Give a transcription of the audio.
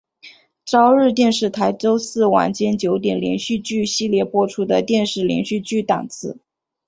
朝日电视台周四晚间九点连续剧系列播出的电视连续剧档次。